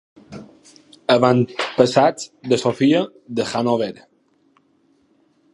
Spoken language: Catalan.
Avantpassats de Sofia de Hannover.